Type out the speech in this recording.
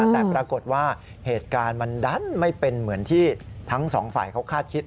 แต่ปรากฏว่าเหตุการณ์มันดันไม่เป็นเหมือนที่ทั้งสองฝ่ายเขาคาดคิด